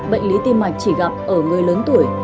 bệnh lý tim mạch chỉ gặp ở người lớn tuổi